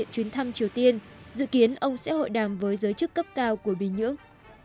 cấp cao của bình nhưỡng